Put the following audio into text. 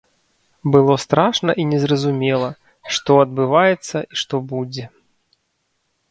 Было страшна і незразумела, што адбываецца і што будзе.